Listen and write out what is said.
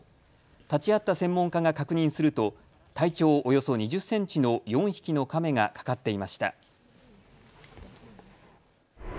立ち会った専門家が確認すると体長およそ２０センチの４匹のカメが掛かっていました。